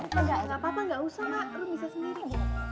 enggak gak apa apa gak usah mak rum bisa sendiri ya